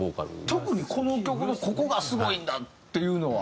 特にこの曲のここがすごいんだっていうのは？